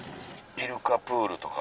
イルカプールとか。